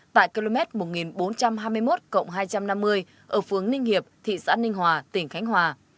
tại km một nghìn bốn trăm hai mươi một hai trăm năm mươi ở phương ninh hiệp thị xã ninh hòa tỉnh khánh hòa